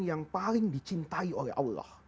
yang paling dicintai oleh allah